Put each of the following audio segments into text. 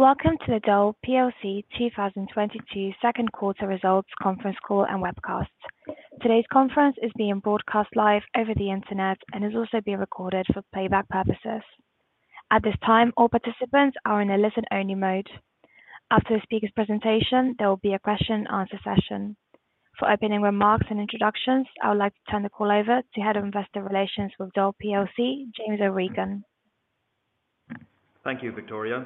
Welcome to the Dole plc 2022 second quarter results conference call and webcast. Today's conference is being broadcast live over the Internet and is also being recorded for playback purposes. At this time, all participants are in a listen-only mode. After the speaker's presentation, there will be a question and answer session. For opening remarks and introductions, I would like to turn the call over to Head of Investor Relations with Dole plc, James O'Regan. Thank you, Victoria.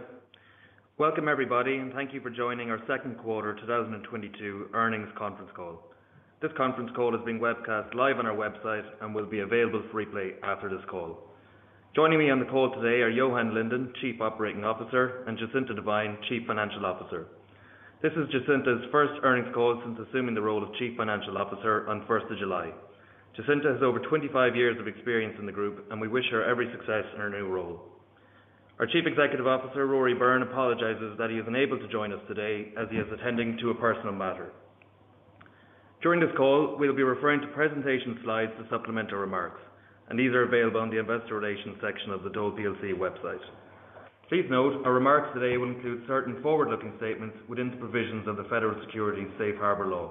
Welcome everybody, and thank you for joining our second quarter 2022 earnings conference call. This conference call is being webcast live on our website and will be available for replay after this call. Joining me on the call today are Johan Lindén, Chief Operating Officer, and Jacinta Devine, Chief Financial Officer. This is Jacinta's first earnings call since assuming the role of Chief Financial Officer on first of July. Jacinta has over 25 years of experience in the group, and we wish her every success in her new role. Our Chief Executive Officer, Rory Byrne, apologizes that he is unable to join us today as he is attending to a personal matter. During this call, we'll be referring to presentation slides for supplemental remarks, and these are available on the investor relations section of the Dole plc website. Please note our remarks today will include certain forward-looking statements within the provisions of the Federal Securities' Safe Harbor Law.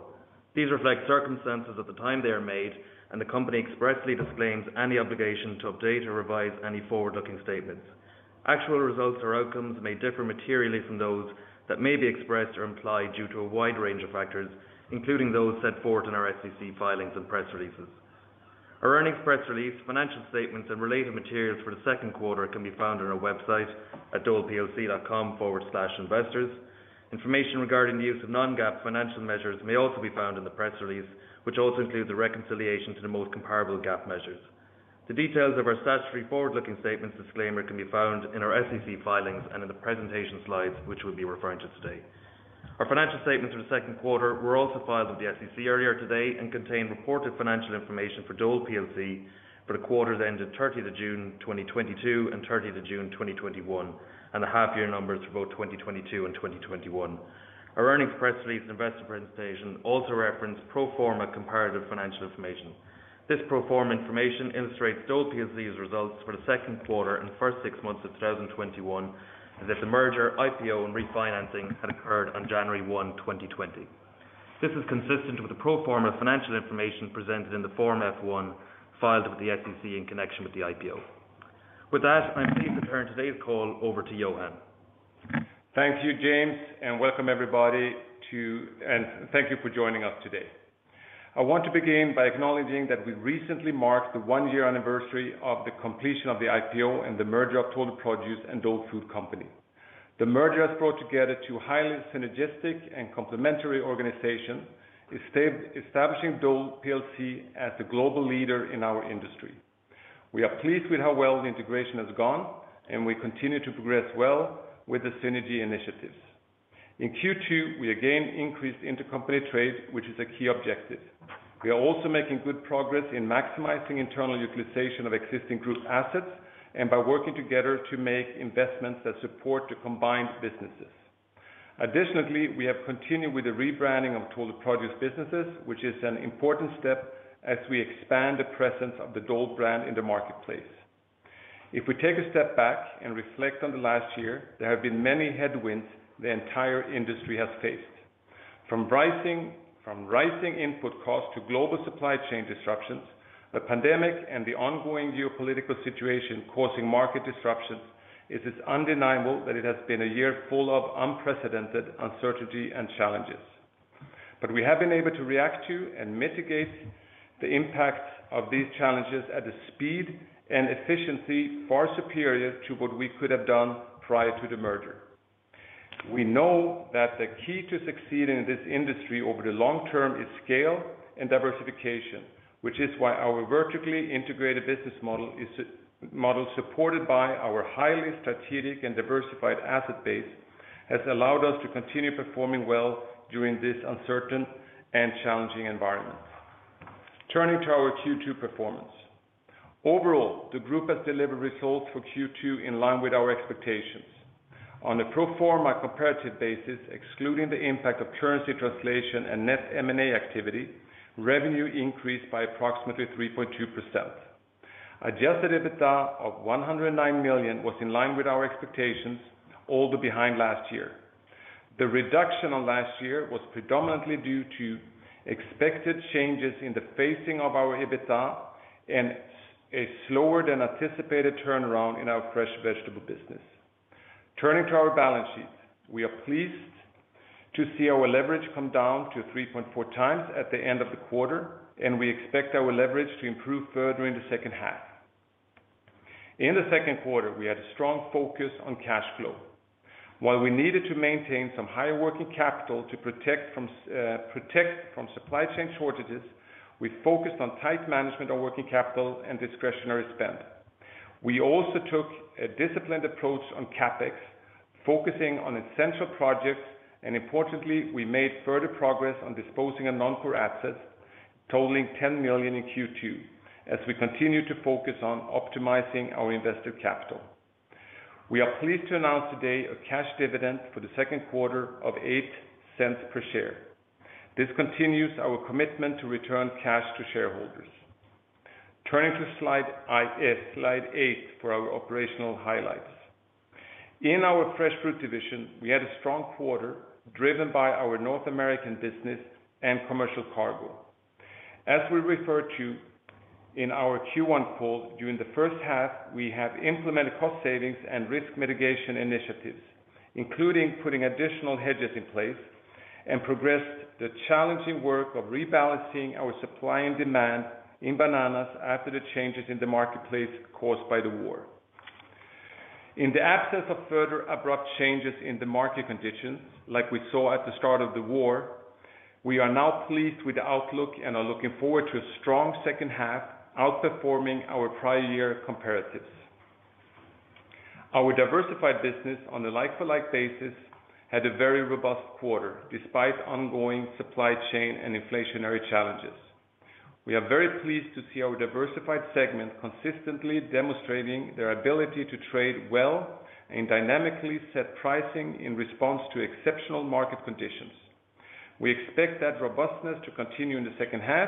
These reflect circumstances at the time they are made, and the company expressly disclaims any obligation to update or revise any forward-looking statements. Actual results or outcomes may differ materially from those that may be expressed or implied due to a wide range of factors, including those set forth in our SEC filings and press releases. Our earnings press release, financial statements and related materials for the second quarter can be found on our website at doleplc.com/investors. Information regarding the use of non-GAAP financial measures may also be found in the press release, which also includes a reconciliation to the most comparable GAAP measures. The details of our statutory forward-looking statements disclaimer can be found in our SEC filings and in the presentation slides, which we'll be referring to today. Our financial statements for the second quarter were also filed with the SEC earlier today and contain reported financial information for Dole plc for the quarter that ended 30th June 2022 and 30th June 2021, and the half year numbers for both 2022 and 2021. Our earnings press release and investor presentation also reference pro forma comparative financial information. This pro forma information illustrates Dole plc's results for the second quarter and the first six months of 2021 as if the merger, IPO and refinancing had occurred on January 1, 2020. This is consistent with the pro forma financial information presented in the Form F-1 filed with the SEC in connection with the IPO. With that, I'm pleased to turn today's call over to Johan. Thank you, James, and welcome everybody, and thank you for joining us today. I want to begin by acknowledging that we recently marked the one-year anniversary of the completion of the IPO and the merger of Total Produce and Dole Food Company. The merger has brought together two highly synergistic and complementary organizations, establishing Dole plc as the global leader in our industry. We are pleased with how well the integration has gone, and we continue to progress well with the synergy initiatives. In Q2, we again increased intercompany trade, which is a key objective. We are also making good progress in maximizing internal utilization of existing group assets and by working together to make investments that support the combined businesses. Additionally, we have continued with the rebranding of Total Produce businesses, which is an important step as we expand the presence of the Dole brand in the marketplace. If we take a step back and reflect on the last year, there have been many headwinds the entire industry has faced. From rising input costs to global supply chain disruptions, the pandemic and the ongoing geopolitical situation causing market disruptions, it is undeniable that it has been a year full of unprecedented uncertainty and challenges. We have been able to react to and mitigate the impacts of these challenges at a speed and efficiency far superior to what we could have done prior to the merger. We know that the key to succeeding in this industry over the long term is scale and diversification, which is why our vertically integrated business model, supported by our highly strategic and diversified asset base, has allowed us to continue performing well during this uncertain and challenging environment. Turning to our Q2 performance. Overall, the group has delivered results for Q2 in line with our expectations. On a pro forma comparative basis, excluding the impact of currency translation and net M&A activity, revenue increased by approximately 3.2%. Adjusted EBITDA of $109 million was in line with our expectations, although behind last year. The reduction on last year was predominantly due to expected changes in the phasing of our EBITDA and a slower than anticipated turnaround in our fresh vegetable business. Turning to our balance sheet. We are pleased to see our leverage come down to 3.4x at the end of the quarter, and we expect our leverage to improve further in the second half. In the second quarter, we had a strong focus on cash flow. While we needed to maintain some higher working capital to protect from supply chain shortages, we focused on tight management of working capital and discretionary spend. We also took a disciplined approach on CapEx, focusing on essential projects, and importantly, we made further progress on disposing of non-core assets totaling $10 million in Q2 as we continue to focus on optimizing our invested capital. We are pleased to announce today a cash dividend for the second quarter of $0.08 per share. This continues our commitment to return cash to shareholders. Turning to slide eight for our operational highlights. In our fresh fruit division, we had a strong quarter driven by our North American business and commercial cargo. As we referred to in our Q1 call, during the first half, we have implemented cost savings and risk mitigation initiatives, including putting additional hedges in place and progressed the challenging work of rebalancing our supply and demand in bananas after the changes in the marketplace caused by the war. In the absence of further abrupt changes in the market conditions like we saw at the start of the war, we are now pleased with the outlook and are looking forward to a strong second half outperforming our prior year comparatives. Our diversified business on the like-for-like basis had a very robust quarter despite ongoing supply chain and inflationary challenges. We are very pleased to see our diversified segment consistently demonstrating their ability to trade well and dynamically set pricing in response to exceptional market conditions. We expect that robustness to continue in the second half,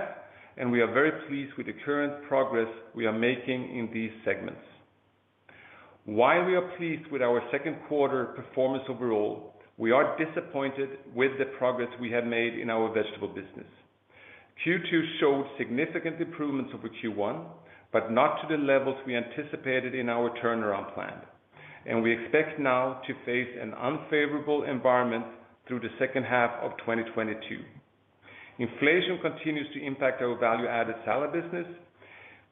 and we are very pleased with the current progress we are making in these segments. While we are pleased with our second quarter performance overall, we are disappointed with the progress we have made in our vegetable business. Q2 showed significant improvements over Q1, but not to the levels we anticipated in our turnaround plan, and we expect now to face an unfavorable environment through the second half of 2022. Inflation continues to impact our value-added salad business.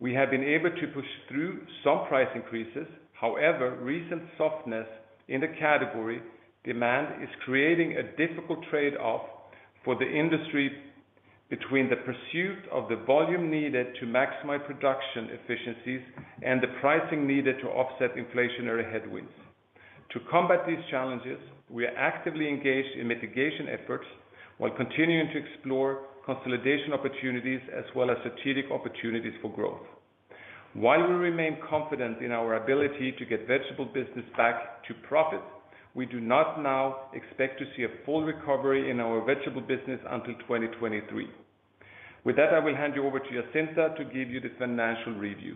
We have been able to push through some price increases. However, recent softness in the category demand is creating a difficult trade-off for the industry between the pursuit of the volume needed to maximize production efficiencies and the pricing needed to offset inflationary headwinds. To combat these challenges, we are actively engaged in mitigation efforts while continuing to explore consolidation opportunities as well as strategic opportunities for growth. While we remain confident in our ability to get vegetable business back to profit, we do not now expect to see a full recovery in our vegetable business until 2023. With that, I will hand you over to Jacinta to give you the financial review.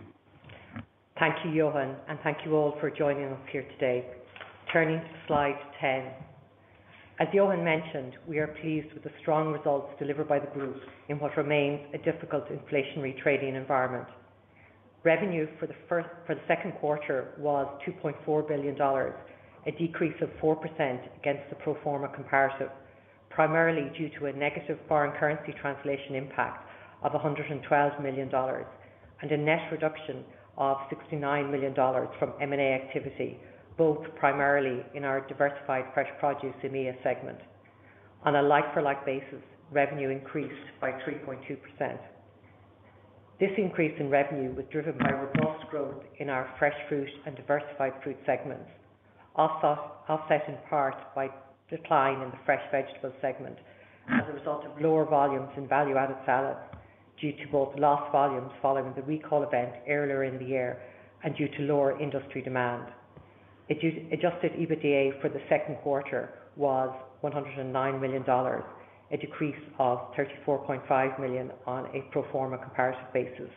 Thank you, Johan, and thank you all for joining us here today. Turning to slide 10. As Johan mentioned, we are pleased with the strong results delivered by the group in what remains a difficult inflationary trading environment. Revenue for the second quarter was $2.4 billion, a decrease of 4% against the pro forma comparative, primarily due to a negative foreign currency translation impact of $112 million and a net reduction of $69 million from M&A activity, both primarily in our Diversified Fresh Produce – EMEA segment. On a like-for-like basis, revenue increased by 3.2%. This increase in revenue was driven by robust growth in our fresh fruit and diversified fruit segments, offset in part by decline in the fresh vegetable segment as a result of lower volumes in value-added salads due to both lost volumes following the recall event earlier in the year and due to lower industry demand. Adjusted EBITDA for the second quarter was $109 million, a decrease of $34.5 million on a pro forma comparative basis.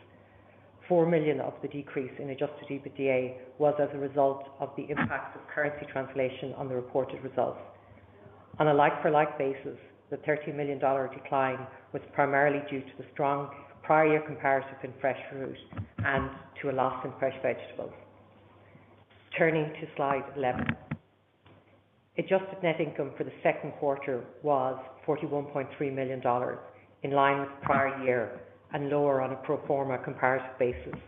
$4 million of the decrease in adjusted EBITDA was as a result of the impact of currency translation on the reported results. On a like-for-like basis, the $30 million dollar decline was primarily due to the strong prior year comparative in fresh fruit and to a loss in fresh vegetables. Turning to slide 11. Adjusted net income for the second quarter was $41.3 million, in line with prior year and lower on a pro forma comparative basis.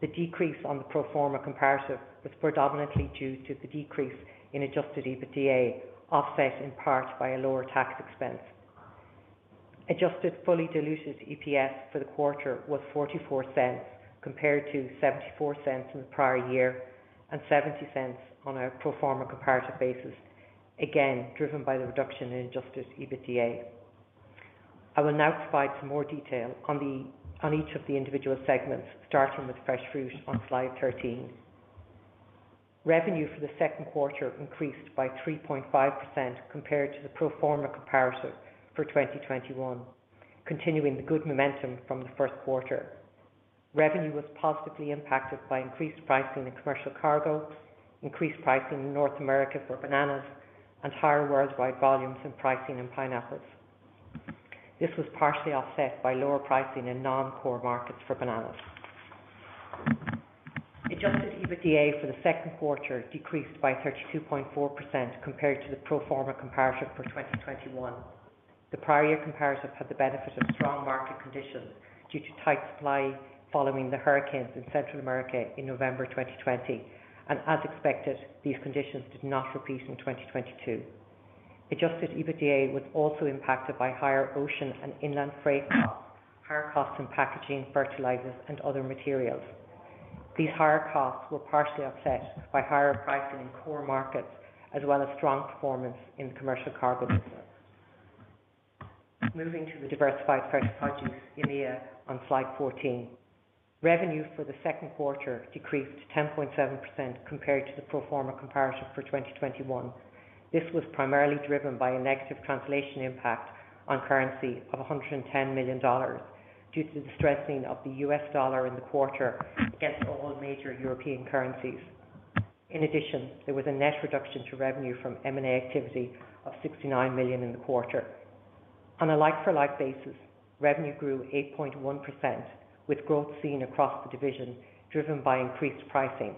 The decrease on the pro forma comparative was predominantly due to the decrease in adjusted EBITDA, offset in part by a lower tax expense. Adjusted fully diluted EPS for the quarter was $0.44 compared to $0.74 in the prior year and $0.70 on a pro forma comparative basis, again driven by the reduction in adjusted EBITDA. I will now provide some more detail on each of the individual segments, starting with fresh fruit on slide 13. Revenue for the second quarter increased by 3.5% compared to the pro forma comparative for 2021, continuing the good momentum from the first quarter. Revenue was positively impacted by increased pricing in commercial cargo, increased pricing in North America for bananas, and higher worldwide volumes and pricing in pineapples. This was partially offset by lower pricing in non-core markets for bananas. Adjusted EBITDA for the second quarter decreased by 32.4% compared to the pro forma comparative for 2021. The prior year comparative had the benefit of strong market conditions due to tight supply following the hurricanes in Central America in November 2020. As expected, these conditions did not repeat in 2022. Adjusted EBITDA was also impacted by higher ocean and inland freight costs, higher costs in packaging, fertilizers, and other materials. These higher costs were partially offset by higher pricing in core markets as well as strong performance in the commercial cargo business. Moving to the Diversified Fresh Produce – EMEA on slide 14. Revenue for the second quarter decreased 10.7% compared to the pro forma comparative for 2021. This was primarily driven by a negative translation impact on currency of $110 million due to the strengthening of the US dollar in the quarter against all major European currencies. In addition, there was a net reduction to revenue from M&A activity of $69 million in the quarter. On a like-for-like basis, revenue grew 8.1%, with growth seen across the division driven by increased pricing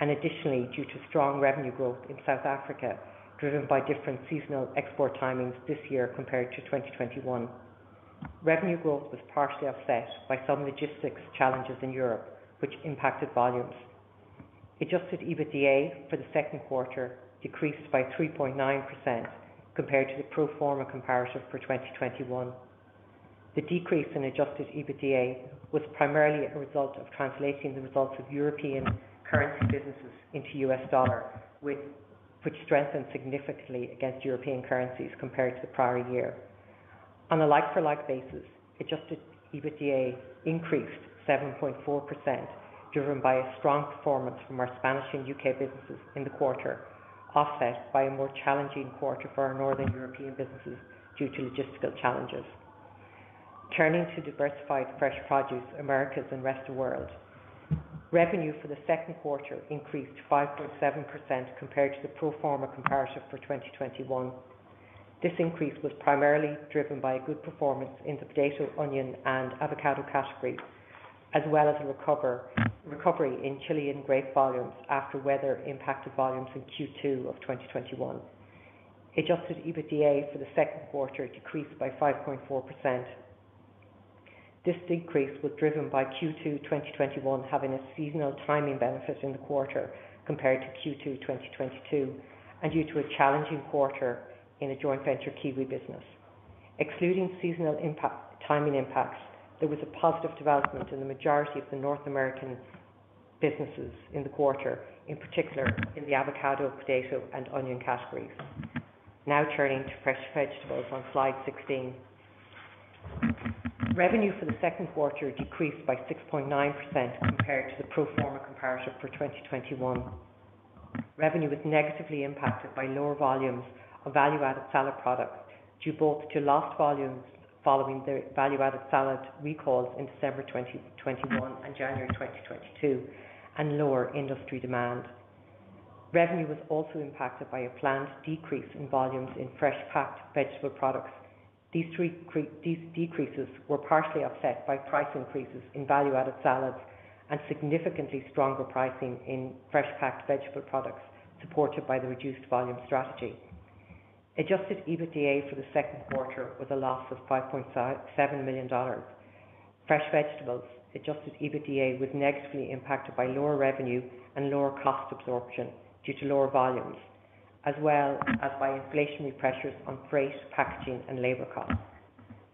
and additionally due to strong revenue growth in South Africa, driven by different seasonal export timings this year compared to 2021. Revenue growth was partially offset by some logistics challenges in Europe, which impacted volumes. Adjusted EBITDA for the second quarter decreased by 3.9% compared to the pro forma comparative for 2021. The decrease in adjusted EBITDA was primarily a result of translating the results of European currency businesses into US dollar, which strengthened significantly against European currencies compared to the prior year. On a like-for-like basis, adjusted EBITDA increased 7.4%, driven by a strong performance from our Spanish and U.K. businesses in the quarter, offset by a more challenging quarter for our Northern European businesses due to logistical challenges. Turning to Diversified Fresh Produce – Americas & ROW. Revenue for the second quarter increased 5.7% compared to the pro forma comparative for 2021. This increase was primarily driven by a good performance in the potato, onion, and avocado categories, as well as a recovery in Chilean grape volumes after weather impacted volumes in Q2 of 2021. Adjusted EBITDA for the second quarter decreased by 5.4%. This decrease was driven by Q2 2021 having a seasonal timing benefit in the quarter compared to Q2 2022 and due to a challenging quarter in a joint venture kiwi business. Excluding seasonal impact, timing impacts, there was a positive development in the majority of the North American businesses in the quarter, in particular in the avocado, potato, and onion categories. Now turning to Fresh Vegetables on slide 16. Revenue for the second quarter decreased by 6.9% compared to the pro forma comparative for 2021. Revenue was negatively impacted by lower volumes of value-added salad products, due both to lost volumes following the value-added salad recalls in December 2021 and January 2022 and lower industry demand. Revenue was also impacted by a planned decrease in volumes in fresh-packed vegetable products. These three decreases were partially offset by price increases in value-added salads and significantly stronger pricing in fresh-packed vegetable products, supported by the reduced volume strategy. Adjusted EBITDA for the second quarter was a loss of $5.7 million. Fresh Vegetables adjusted EBITDA was negatively impacted by lower revenue and lower cost absorption due to lower volumes, as well as by inflationary pressures on freight, packaging, and labor costs.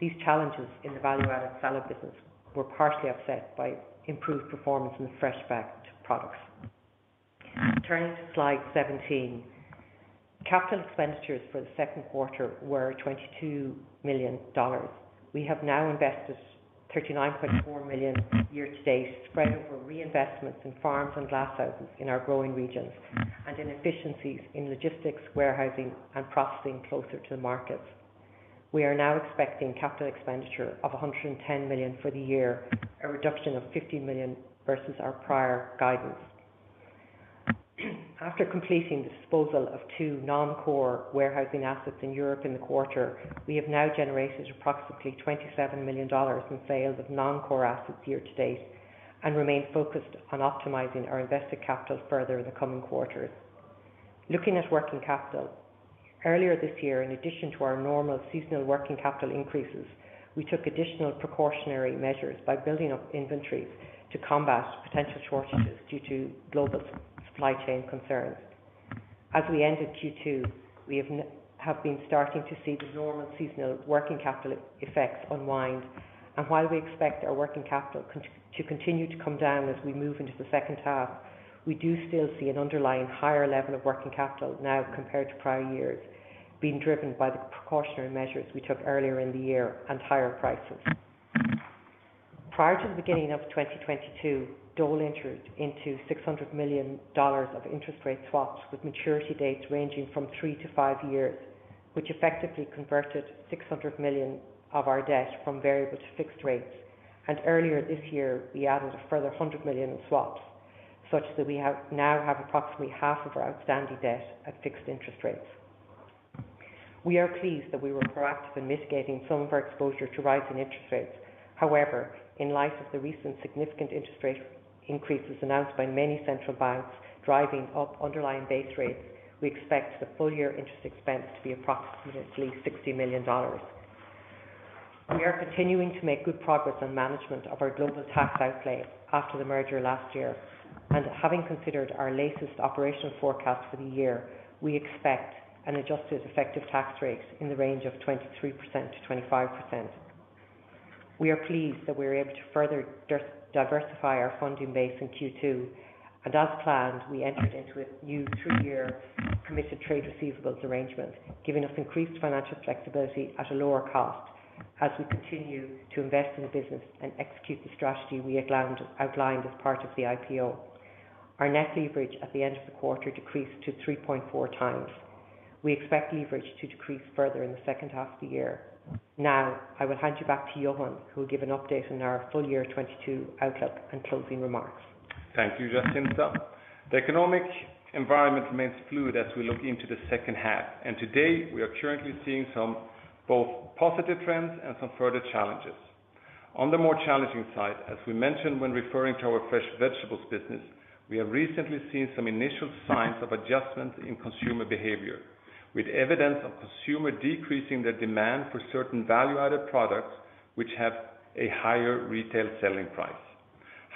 These challenges in the value-added salad business were partially offset by improved performance in the fresh-packed products. Turning to slide 17. Capital expenditures for the second quarter were $22 million. We have now invested $39.4 million year-to-date, spread over reinvestments in farms and glasshouses in our growing regions and in efficiencies in logistics, warehousing, and processing closer to the markets. We are now expecting capital expenditure of $110 million for the year, a reduction of $50 million versus our prior guidance. After completing the disposal of two non-core warehousing assets in Europe in the quarter, we have now generated approximately $27 million in sales of non-core assets year to date and remain focused on optimizing our invested capital further in the coming quarters. Looking at working capital. Earlier this year, in addition to our normal seasonal working capital increases, we took additional precautionary measures by building up inventories to combat potential shortages due to global supply chain concerns. As we ended Q2, we have been starting to see the normal seasonal working capital effects unwind, and while we expect our working capital to continue to come down as we move into the second half, we do still see an underlying higher level of working capital now compared to prior years being driven by the precautionary measures we took earlier in the year and higher prices. Prior to the beginning of 2022, Dole entered into $600 million of interest rate swaps with maturity dates ranging from 3-5 years, which effectively converted $600 million of our debt from variable to fixed rates. Earlier this year, we added a further $100 million in swaps, such that we now have approximately half of our outstanding debt at fixed interest rates. We are pleased that we were proactive in mitigating some of our exposure to rising interest rates. However, in light of the recent significant interest rate increases announced by many central banks driving up underlying base rates, we expect the full-year interest expense to be approximately $60 million. We are continuing to make good progress on management of our global tax outlay after the merger last year, and having considered our latest operational forecast for the year, we expect an adjusted effective tax rate in the range of 23%-25%. We are pleased that we are able to further diversify our funding base in Q2, and as planned, we entered into a new two-year permitted trade receivables arrangement, giving us increased financial flexibility at a lower cost. As we continue to invest in the business and execute the strategy we outlined as part of the IPO. Our net leverage at the end of the quarter decreased to 3.4x. We expect leverage to decrease further in the second half of the year. Now, I will hand you back to Johan, who will give an update on our full year 2022 outlook and closing remarks. Thank you, Jacinta. The economic environment remains fluid as we look into the second half, and today we are currently seeing somewhat positive trends and some further challenges. On the more challenging side, as we mentioned when referring to our fresh vegetables business, we have recently seen some initial signs of adjustments in consumer behavior, with evidence of consumers decreasing their demand for certain value-added products which have a higher retail selling price.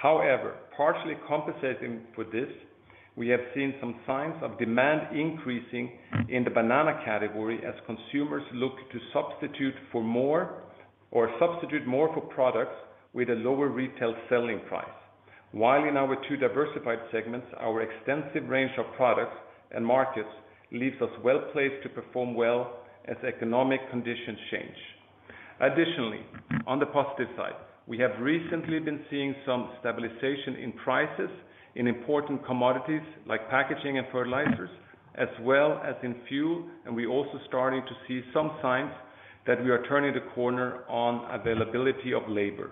However, partially compensating for this, we have seen some signs of demand increasing in the banana category as consumers look to substitute more for products with a lower retail selling price. While in our two diversified segments, our extensive range of products and markets leaves us well-placed to perform well as economic conditions change. Additionally, on the positive side, we have recently been seeing some stabilization in prices in important commodities like packaging and fertilizers as well as in fuel, and we're also starting to see some signs that we are turning the corner on availability of labor.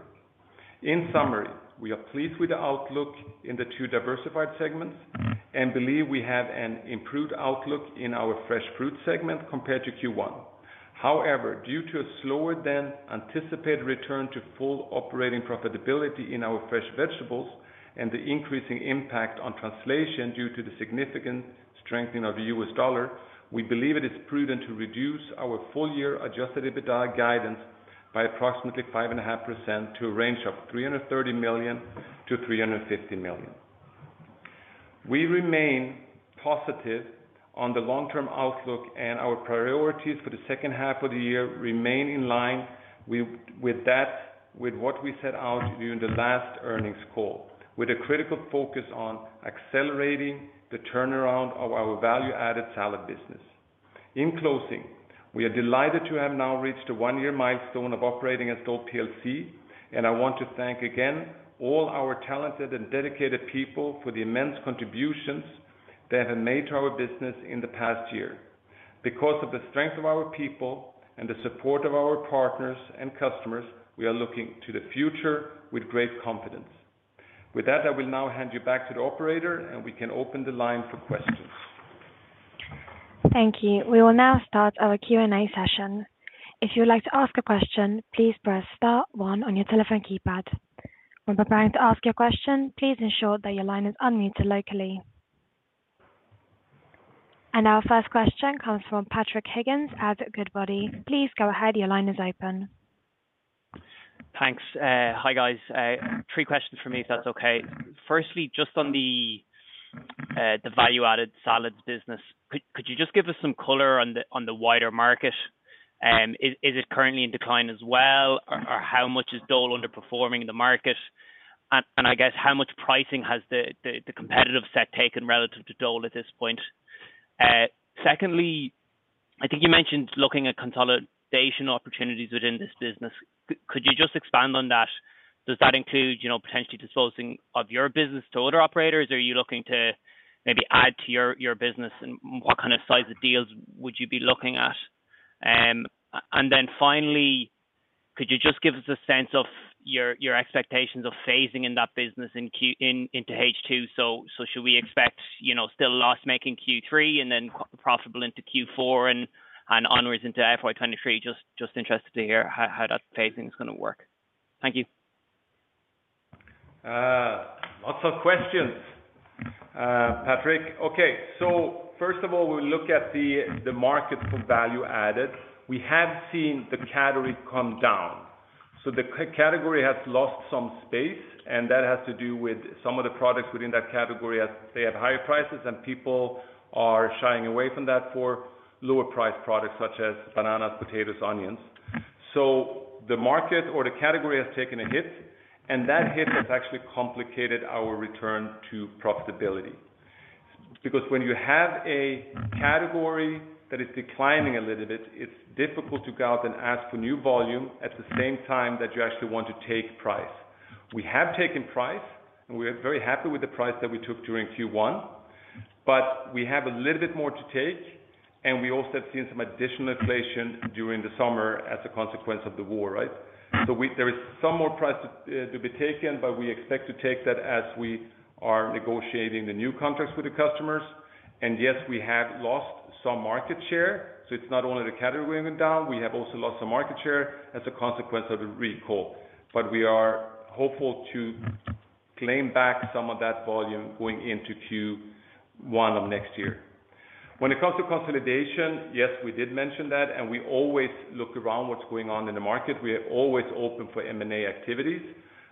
In summary, we are pleased with the outlook in the two diversified segments and believe we have an improved outlook in our fresh fruit segment compared to Q1. However, due to a slower than anticipated return to full operating profitability in our Fresh Vegetables and the increasing impact on translation due to the significant strengthening of the US dollar, we believe it is prudent to reduce our full year adjusted EBITDA guidance by approximately 5.5% to a range of $330 million-$350 million. We remain positive on the long-term outlook and our priorities for the second half of the year remain in line with what we set out during the last earnings call, with a critical focus on accelerating the turnaround of our value-added salad business. In closing, we are delighted to have now reached a one-year milestone of operating as Dole plc, and I want to thank again all our talented and dedicated people for the immense contributions they have made to our business in the past year. Because of the strength of our people and the support of our partners and customers, we are looking to the future with great confidence. With that, I will now hand you back to the operator and we can open the line for questions. Thank you. We will now start our Q&A session. If you would like to ask a question, please press star one on your telephone keypad. When preparing to ask your question, please ensure that your line is unmuted locally. Our first question comes from Patrick Higgins at Goodbody. Please go ahead. Your line is open. Thanks. Hi, guys. Three questions for me, if that's okay. Firstly, just on the value-added salads business. Could you just give us some color on the wider market? Is it currently in decline as well or how much is Dole underperforming in the market? I guess how much pricing has the competitive set taken relative to Dole at this point? Secondly, I think you mentioned looking at consolidation opportunities within this business. Could you just expand on that? Does that include, you know, potentially disposing of your business to other operators? Are you looking to maybe add to your business and what kind of size of deals would you be looking at? Finally, could you just give us a sense of your expectations of phasing in that business into H2? Should we expect, you know, still loss-making Q3 and then profitable into Q4 and onwards into FY 2023? Just interested to hear how that phasing is gonna work. Thank you. Lots of questions, Patrick. Okay. First of all, we look at the market for value-added. We have seen the category come down. The category has lost some space, and that has to do with some of the products within that category as they have higher prices and people are shying away from that for lower-priced products such as bananas, potatoes, onions. The market or the category has taken a hit, and that hit has actually complicated our return to profitability. Because when you have a category that is declining a little bit, it's difficult to go out and ask for new volume at the same time that you actually want to take price. We have taken price, and we are very happy with the price that we took during Q1, but we have a little bit more to take and we also have seen some additional inflation during the summer as a consequence of the war, right? There is some more price to be taken, but we expect to take that as we are negotiating the new contracts with the customers. Yes, we have lost some market share. It's not only the category going down, we have also lost some market share as a consequence of the recall. We are hopeful to claim back some of that volume going into Q1 of next year. When it comes to consolidation, yes, we did mention that, and we always look around what's going on in the market. We are always open for M&A activities,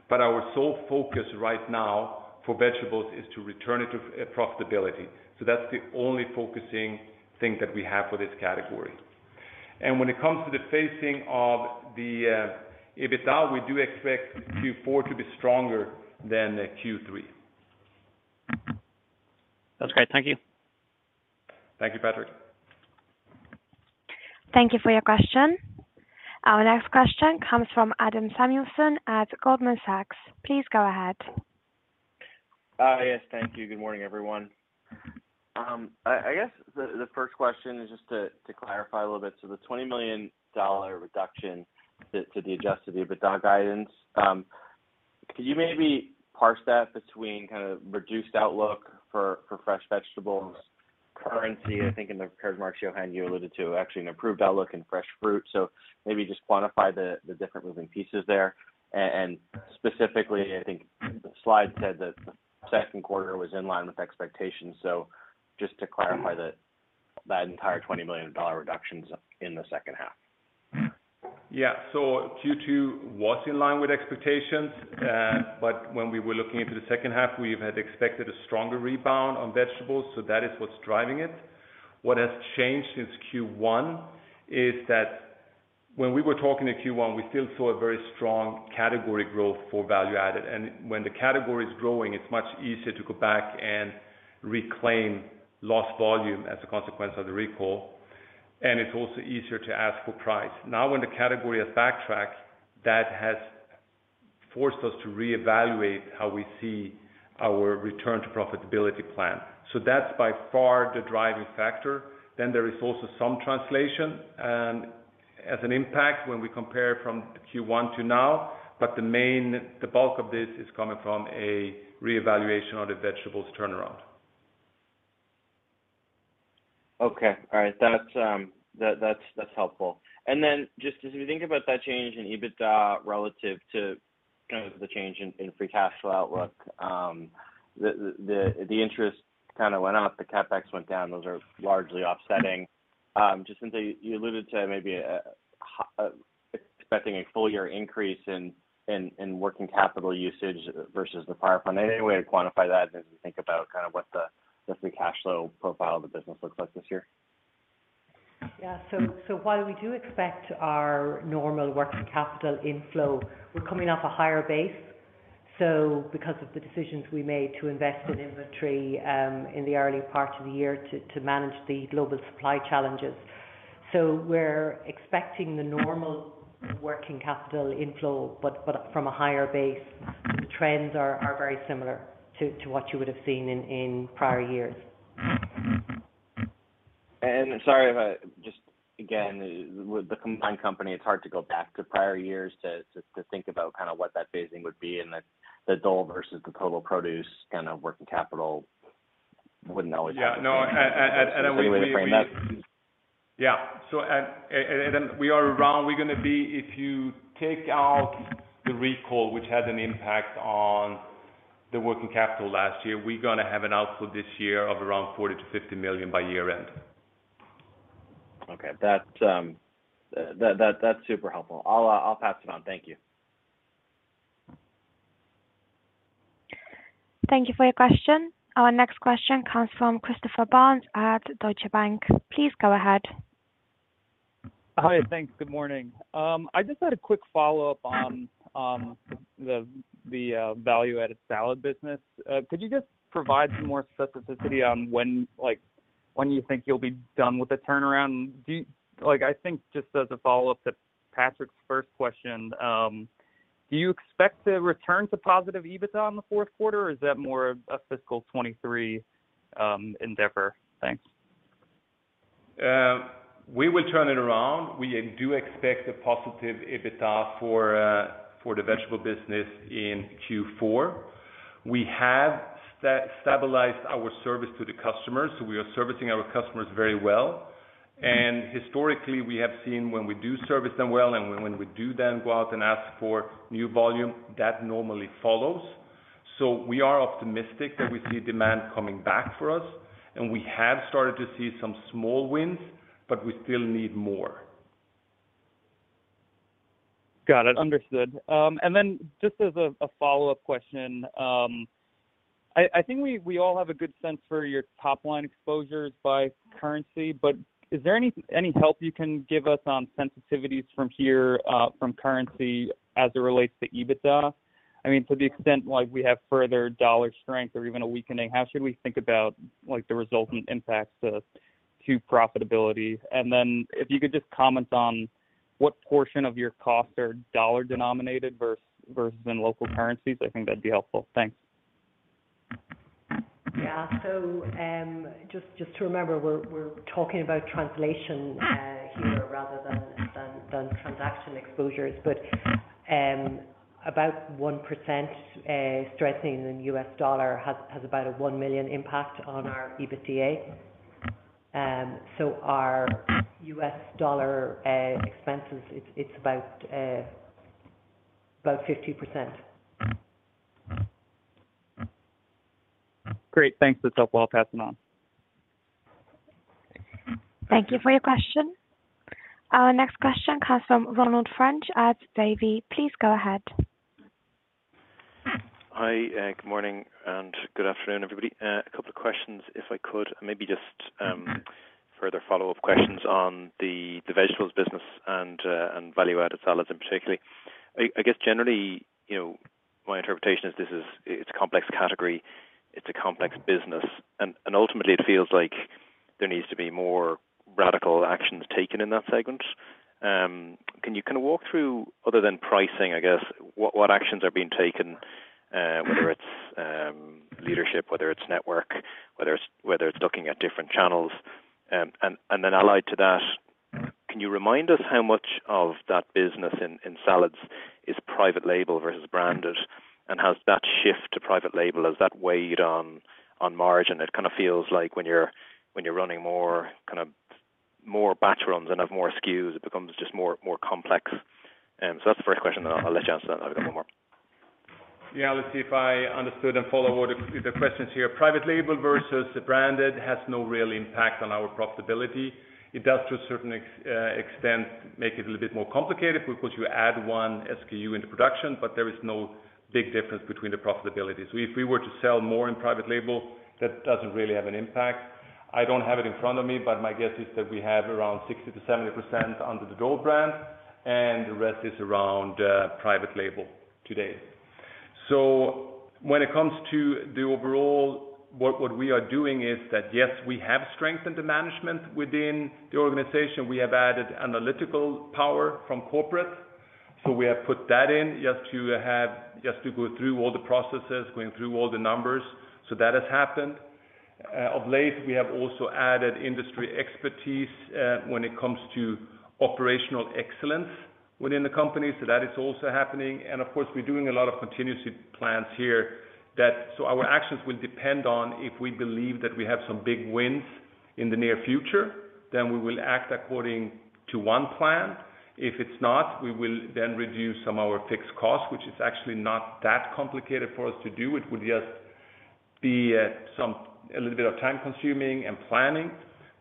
but our sole focus right now for vegetables is to return it to profitability. That's the only focusing thing that we have for this category. When it comes to the phasing of the EBITDA, we do expect Q4 to be stronger than Q3. That's great. Thank you. Thank you, Patrick. Thank you for your question. Our next question comes from Adam Samuelson at Goldman Sachs. Please go ahead. Hi. Yes, thank you. Good morning, everyone. I guess the first question is just to clarify a little bit. The $20 million reduction to the adjusted EBITDA guidance, could you maybe parse that between kind of reduced outlook for fresh vegetables currency? I think in the remarks, Johan, you alluded to actually an improved outlook in fresh fruit, so maybe just quantify the different moving pieces there. And specifically, I think the slide said that the second quarter was in line with expectations. Just to clarify that entire $20 million reduction's in the second half. Yeah. Q2 was in line with expectations. When we were looking into the second half, we had expected a stronger rebound on vegetables, so that is what's driving it. What has changed since Q1 is that when we were talking in Q1, we still saw a very strong category growth for value-added. When the category is growing, it's much easier to go back and reclaim lost volume as a consequence of the recall, and it's also easier to ask for price. Now when the category has backtracked, that has forced us to reevaluate how we see our return to profitability plan. That's by far the driving factor. There is also some translation and FX impact when we compare from Q1 to now. The bulk of this is coming from a reevaluation of the vegetables turnaround. Okay. All right. That's helpful. Just as we think about that change in EBITDA relative to kind of the change in free cash flow outlook, the interest kind of went up, the CapEx went down. Those are largely offsetting. Just since you alluded to maybe expecting a full year increase in working capital usage versus the prior fund, any way to quantify that as we think about kind of what the free cash flow profile of the business looks like this year? Yeah. While we do expect our normal working capital inflow, we're coming off a higher base. Because of the decisions we made to invest in inventory in the early part of the year to manage the global supply challenges. We're expecting the normal working capital inflow, but from a higher base. The trends are very similar to what you would have seen in prior years. Sorry if I just. Again, with the combined company, it's hard to go back to prior years to think about kind of what that phasing would be and the Dole versus the Total Produce kind of working capital. Wouldn't know exactly. We are around, we're gonna be if you take out the recall, which had an impact on the working capital last year, we're gonna have an output this year of around $40 million-$50 million by year-end. Okay. That's super helpful. I'll pass it on. Thank you. Thank you for your question. Our next question comes from Christopher Barnes at Deutsche Bank. Please go ahead. Hi. Thanks. Good morning. I just had a quick follow-up on the value-added salad business. Could you just provide some more specificity on when, like, when you think you'll be done with the turnaround? Like, I think just as a follow-up to Patrick's first question, do you expect to return to positive EBITDA in the fourth quarter, or is that more a fiscal 2023 endeavor? Thanks. We will turn it around. We do expect a positive EBITDA for the vegetable business in Q4. We have stabilized our service to the customers, so we are servicing our customers very well. Historically, we have seen when we do service them well and when we do then go out and ask for new volume, that normally follows. We are optimistic that we see demand coming back for us, and we have started to see some small wins, but we still need more. Got it. Understood. Just as a follow-up question, I think we all have a good sense for your top line exposures by currency, but is there any help you can give us on sensitivities from here from currency as it relates to EBITDA? I mean, to the extent like we have further dollar strength or even a weakening, how should we think about like the resultant impacts to profitability? If you could just comment on what portion of your costs are dollar-denominated versus in local currencies, I think that'd be helpful. Thanks. Yeah. Just to remember, we're talking about translation here rather than transaction exposures. About 1% strengthening in US dollar has about a $1 million impact on our EBITDA. Our US dollar expenses, it's about 50%. Great. Thanks. That's helpful. I'll pass it on. Thank you for your question. Our next question comes from Roland French at Davy. Please go ahead. Hi. Good morning, and good afternoon, everybody. A couple of questions, if I could. Maybe just further follow-up questions on the vegetables business and value-added salads in particular. I guess generally, you know, my interpretation is it's a complex category, it's a complex business. Ultimately it feels like there needs to be more radical actions taken in that segment. Can you kind of walk through, other than pricing, I guess, what actions are being taken, whether it's leadership, whether it's network, whether it's looking at different channels. Allied to that. Mm-hmm. Can you remind us how much of that business in salads is private label versus branded? And has that shift to private label weighed on margin? It kind of feels like when you're running more kind of batch runs and have more SKUs, it becomes just more complex. So that's the first question, then I'll let you answer that. I've got one more. Yeah. Let's see if I understood and follow what the questions here. Private label versus branded has no real impact on our profitability. It does to a certain extent make it a little bit more complicated because you add one SKU into production, but there is no big difference between the profitability. If we were to sell more in private label, that doesn't really have an impact. I don't have it in front of me, but my guess is that we have around 60%-70% under the Dole brand and the rest is around private label today. When it comes to the overall, what we are doing is that, yes, we have strengthened the management within the organization. We have added analytical power from corporate. We have put that in just to have. Just to go through all the processes, going through all the numbers. That has happened. Of late, we have also added industry expertise, when it comes to operational excellence within the company. That is also happening. Of course, we're doing a lot of contingency plans here. Our actions will depend on if we believe that we have some big wins in the near future, then we will act according to one plan. If it's not, we will then reduce some of our fixed costs, which is actually not that complicated for us to do. It would just be, a little bit of time-consuming and planning.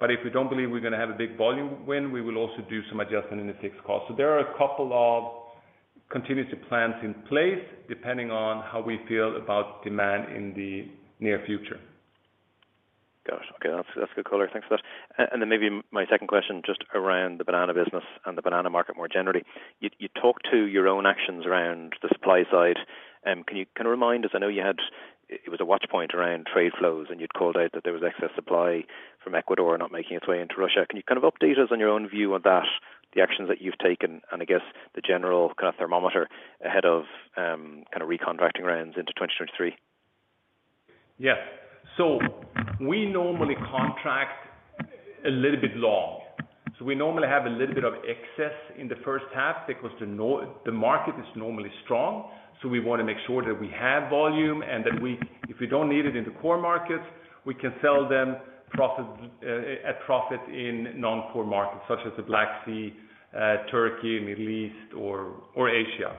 If we don't believe we're gonna have a big volume win, we will also do some adjustment in the fixed cost. There are a couple of contingency plans in place, depending on how we feel about demand in the near future. Got it. Okay. That's good color. Thanks for that. And then maybe my second question, just around the banana business and the banana market, more generally. You talked to your own actions around the supply side. Can you remind us, I know it was a watch point around trade flows, and you'd called out that there was excess supply from Ecuador not making its way into Russia. Can you kind of update us on your own view on that, the actions that you've taken and I guess the general kind of thermometer ahead of kind of re-contracting rounds into 2023? We normally contract a little bit long. We normally have a little bit of excess in the first half because the market is normally strong, so we want to make sure that we have volume and that we if we don't need it in the core markets, we can sell them at profit in non-core markets such as the Black Sea, Turkey, Middle East or Asia.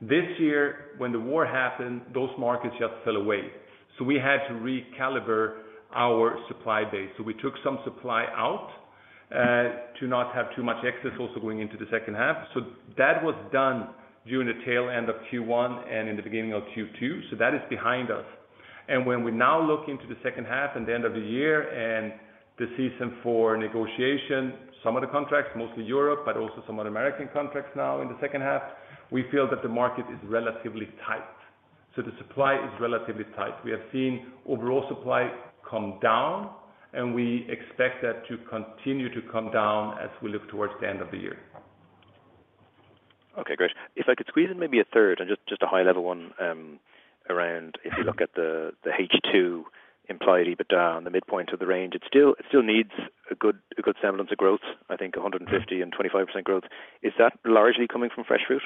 This year when the war happened, those markets just fell away, so we had to recalibrate our supply base. We took some supply out to not have too much excess also going into the second half. That was done during the tail end of Q1 and in the beginning of Q2. That is behind us. When we now look into the second half and the end of the year and the season for negotiation, some of the contracts, mostly Europe, but also some of the American contracts now in the second half, we feel that the market is relatively tight. The supply is relatively tight. We have seen overall supply come down, and we expect that to continue to come down as we look towards the end of the year. Okay. Great. If I could squeeze in maybe a third and just a high level one, around if you look at the H2 implied EBITDA on the midpoint of the range, it still needs a good semblance of growth. I think 150 and 25% growth. Is that largely coming from fresh fruit?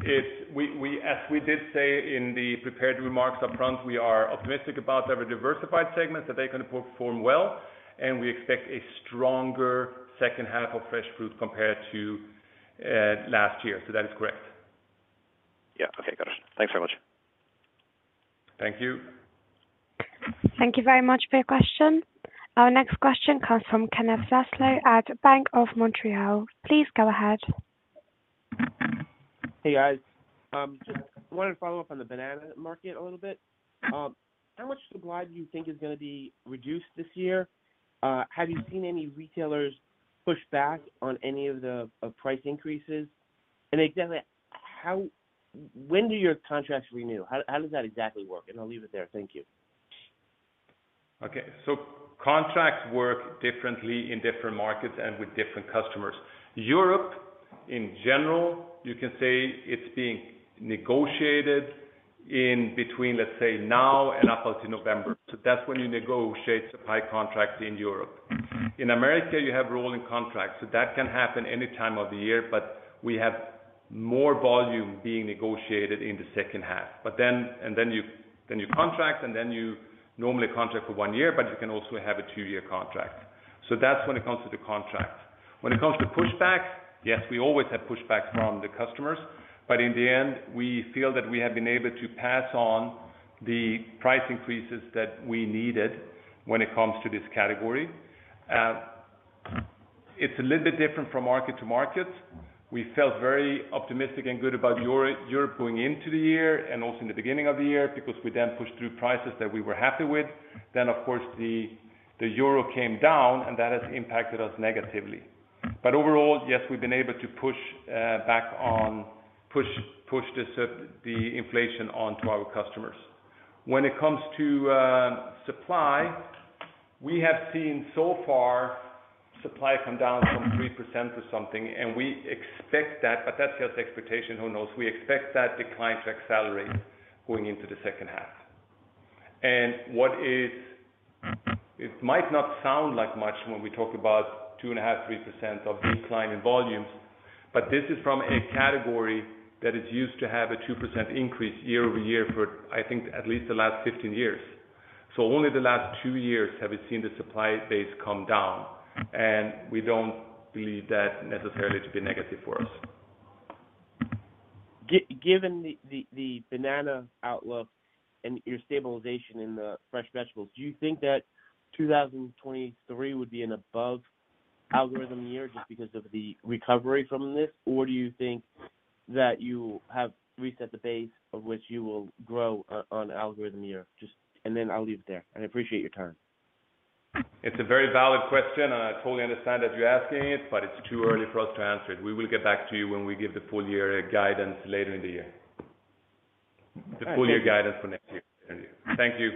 As we did say in the prepared remarks up front, we are optimistic about our diversified segments, that they're gonna perform well, and we expect a stronger second half of fresh fruit compared to last year. That is correct. Yeah. Okay. Got it. Thanks so much. Thank you. Thank you very much for your question. Our next question comes from Ken Zaslow at BMO Capital Markets. Please go ahead. Hey, guys. Just wanted to follow up on the banana market a little bit. How much supply do you think is gonna be reduced this year? Have you seen any retailers push back on any of the price increases? Exactly when do your contracts renew? How does that exactly work? I'll leave it there. Thank you. Okay. Contracts work differently in different markets and with different customers. Europe, in general, you can say it's being negotiated in between, let's say, now and up until November. That's when you negotiate supply contracts in Europe. In America, you have rolling contracts, so that can happen any time of the year, but we have more volume being negotiated in the second half. Then you contract and then you normally contract for one year, but you can also have a two-year contract. That's when it comes to the contract. When it comes to pushback, yes, we always have pushback from the customers. In the end, we feel that we have been able to pass on the price increases that we needed when it comes to this category. It's a little bit different from market to market. We felt very optimistic and good about Europe going into the year and also in the beginning of the year because we then pushed through prices that we were happy with. Of course the Euro came down and that has impacted us negatively. Overall, yes, we've been able to push the inflation on to our customers. When it comes to supply, we have seen so far supply come down from 3% or something, and we expect that. That's just expectation. Who knows? We expect that decline to accelerate going into the second half. What is... It might not sound like much when we talk about 2.5%-3% decline in volumes, but this is from a category that is used to have a 2% increase year-over-year for, I think, at least the last 15 years. Only the last two years have we seen the supply base come down, and we don't believe that necessarily to be negative for us. Given the banana outlook and your stabilization in the Fresh Vegetables, do you think that 2023 would be an above algorithm year just because of the recovery from this? Or do you think that you have reset the base of which you will grow on algorithm year? Just. I'll leave it there. I appreciate your time. It's a very valid question, and I totally understand that you're asking it, but it's too early for us to answer it. We will get back to you when we give the full year guidance later in the year. Thank you. The full year guidance for next year. Thank you.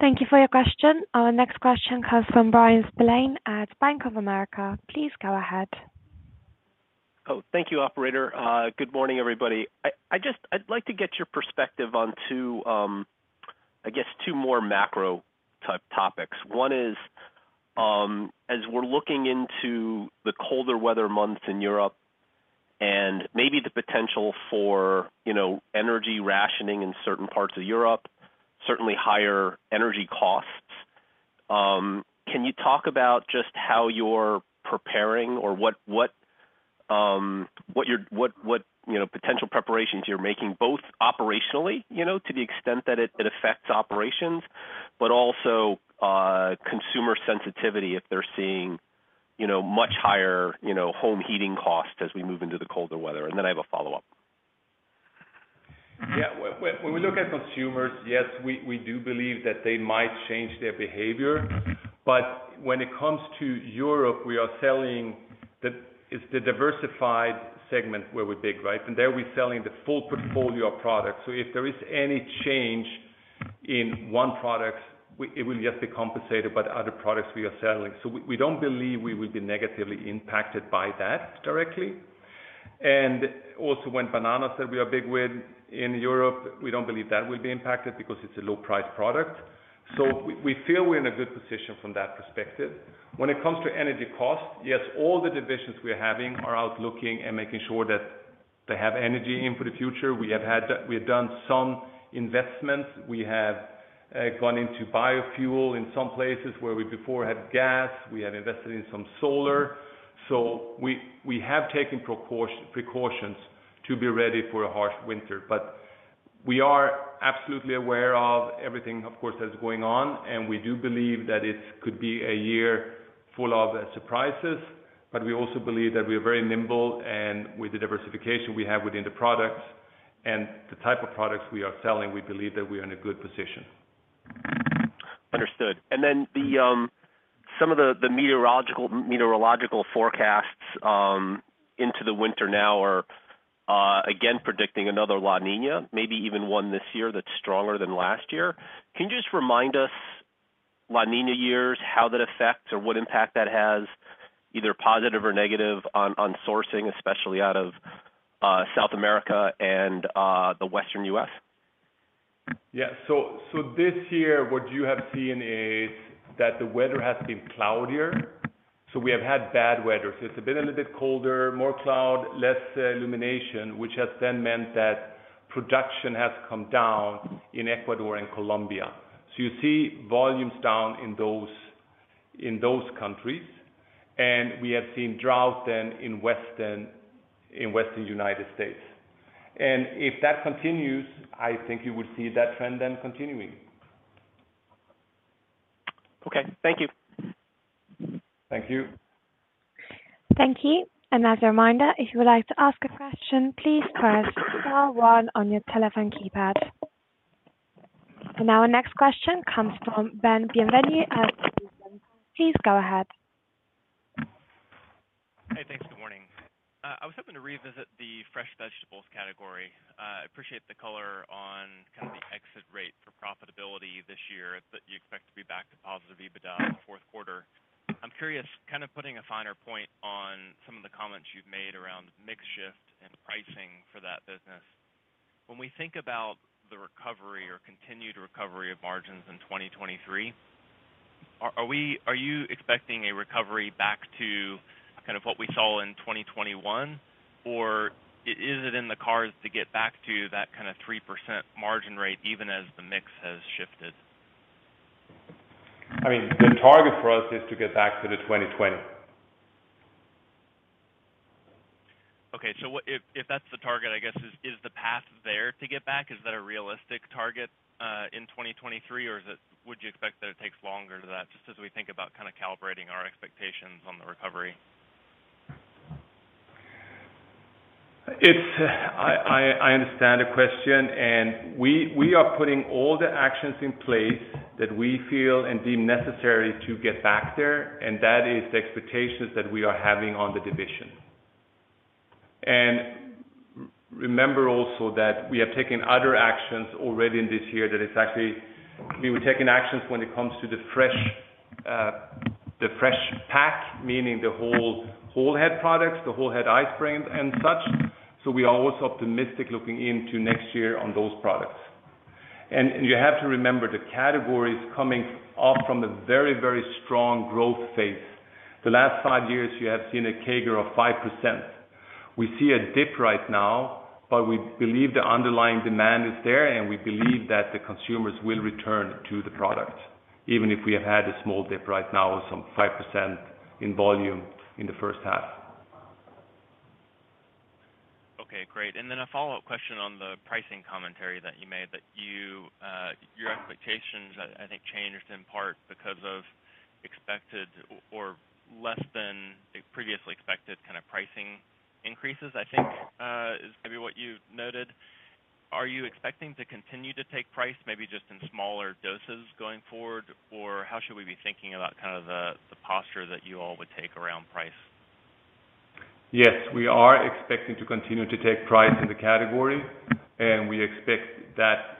Thank you for your question. Our next question comes from Bryan Spillane at Bank of America. Please go ahead. Oh, thank you, operator. Good morning, everybody. I just I'd like to get your perspective on two, I guess two more macro type topics. One is, as we're looking into the colder weather months in Europe and maybe the potential for, you know, energy rationing in certain parts of Europe, certainly higher energy costs, can you talk about just how you're preparing or what potential preparations you're making both operationally, you know, to the extent that it affects operations, but also, consumer sensitivity if they're seeing, you know, much higher, you know, home heating costs as we move into the colder weather? I have a follow-up. Yeah. When we look at consumers, yes, we do believe that they might change their behavior. When it comes to Europe, we are selling. It's the diversified segment where we're big, right? There we're selling the full portfolio of products. If there is any change in one product, it will just be compensated by the other products we are selling. We don't believe we will be negatively impacted by that directly. Also when bananas that we are big with in Europe, we don't believe that will be impacted because it's a low price product. We feel we're in a good position from that perspective. When it comes to energy costs, yes, all the divisions we are having are out looking and making sure that they have energy in for the future. We have done some investments. We have gone into biofuel in some places where we before had gas. We have invested in some solar. We have taken precautions to be ready for a harsh winter. We are absolutely aware of everything, of course, that's going on, and we do believe that it could be a year full of surprises. We also believe that we are very nimble, and with the diversification we have within the products and the type of products we are selling, we believe that we are in a good position. Understood. Some of the meteorological forecasts into the winter now are again predicting another La Niña, maybe even one this year that's stronger than last year. Can you just remind us La Niña years, how that affects or what impact that has, either positive or negative on sourcing, especially out of South America and the Western U.S.? Yeah. This year, what you have seen is that the weather has been cloudier. We have had bad weather. It's been a little bit colder, more cloud, less illumination, which has then meant that production has come down in Ecuador and Colombia. You see volumes down in those countries. We have seen drought then in western United States. If that continues, I think you would see that trend then continuing. Okay. Thank you. Thank you. Thank you. As a reminder, if you would like to ask a question, please press star one on your telephone keypad. Now our next question comes from Ben Bienvenu at Millennium. Please go ahead. Hey, thanks. Good morning. I was hoping to revisit the fresh vegetables category. I appreciate the color on kind of the exit rate for profitability this year that you expect to be back to positive EBITDA in the fourth quarter. I'm curious, kind of putting a finer point on some of the comments you've made around mix shift and pricing for that business. When we think about the recovery or continued recovery of margins in 2023, are you expecting a recovery back to kind of what we saw in 2021? Or is it in the cards to get back to that kind of 3% margin rate even as the mix has shifted? I mean, the target for us is to get back to the 2020. Okay. If that's the target, I guess is the path there to get back? Is that a realistic target in 2023 or is it would you expect that it takes longer than that? Just as we think about kind of calibrating our expectations on the recovery. I understand the question, and we are putting all the actions in place that we feel and deem necessary to get back there, and that is the expectations that we are having on the division. Remember also that we have taken other actions already in this year that is actually we were taking actions when it comes to the fresh pack, meaning the whole head products, the whole head iceberg and such. We are also optimistic looking into next year on those products. You have to remember the category is coming off from the very, very strong growth phase. The last five years you have seen a CAGR of 5%. We see a dip right now, but we believe the underlying demand is there, and we believe that the consumers will return to the product even if we have had a small dip right now, some 5% in volume in the first half. Okay, great. Then a follow-up question on the pricing commentary that you made, that you, your expectations, I think changed in part because of expected or less than previously expected kind of pricing increases, I think, is maybe what you noted. Are you expecting to continue to take price maybe just in smaller doses going forward? Or how should we be thinking about kind of the posture that you all would take around price? Yes, we are expecting to continue to take price in the category, and we expect that,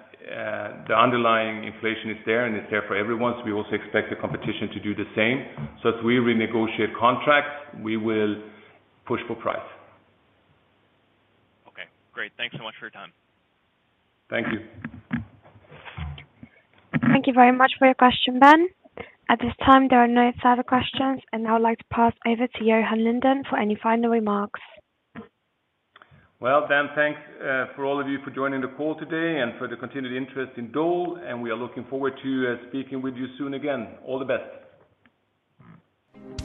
the underlying inflation is there and it's there for everyone, so we also expect the competition to do the same. So as we renegotiate contracts, we will push for price. Okay, great. Thanks so much for your time. Thank you. Thank you very much for your question, Ben. At this time, there are no further questions, and I would like to pass over to Johan Lindén for any final remarks. Well, Ben, thanks for all of you for joining the call today and for the continued interest in Dole, and we are looking forward to speaking with you soon again. All the best.